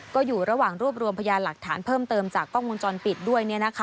ก็อยู่ระหว่างรวบรวมพยานหลักฐานเพิ่มเติมจากกล้องวงจรปิดด้วย